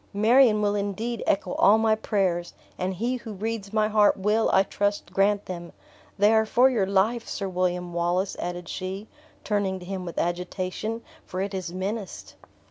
"Marion will indeed echo all my prayers, and He who reads my heart will, I trust, grant them. They are for your life, Sir William Wallace," added she, turning to him with agitation, "for it is menaced."